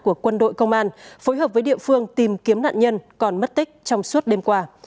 của quân đội công an phối hợp với địa phương tìm kiếm nạn nhân còn mất tích trong suốt đêm qua